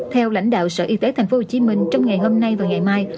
theo lãnh đạo sở y tế tp hcm trong ngày hôm nay và ngày mai